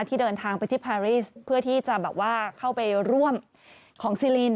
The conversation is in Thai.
ที่เดินทางไปที่พารีสเพื่อที่จะแบบว่าเข้าไปร่วมของซีรีน